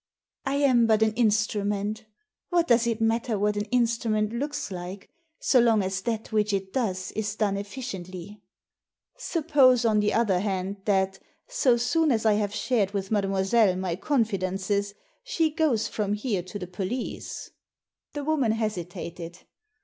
"I am but an instrument What does it matter what an instrument looks like, so long as that which it does is done efficiently ?" "Suppose, on the other hand, that, so soon as I have shared with mademoiselle my confidences, she goes from here to the police." Digitized by VjOOQIC THE ASSASSIN 175 The woman hesitated.